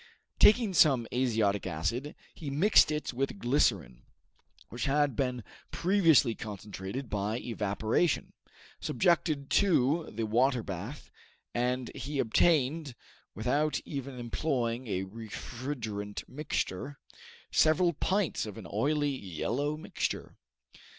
Taking some azotic acid, he mixed it with glycerine, which had been previously concentrated by evaporation, subjected to the water bath, and he obtained, without even employing a refrigerant mixture, several pints of an oily yellow mixture.